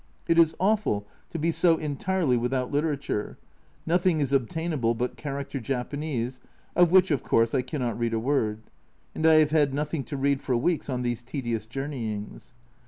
It is awful to be so entirely with out literature nothing is obtainable but character Japanese, of which, of course, I cannot read a word, and I have had nothing to read for weeks on these tedious journeyings.